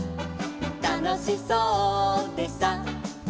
「たのしそうでさ」